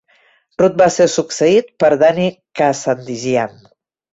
Rudd va ser succeït per Danny Kazandjian.